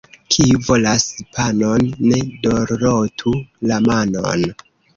Kiu volas panon, ne dorlotu la manon.